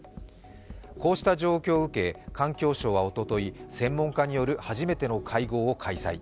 こうした状況を受け、環境省はおととい、専門家による初めての会合を開催。